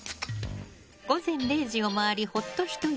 午前０時を回りホッとひと息。